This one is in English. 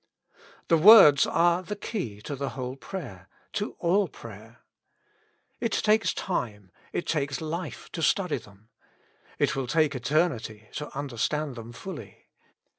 The words are the key to the whole prayer, to all prayer. It takes time, it takes life to study them ; it will take eternity to understand them fully.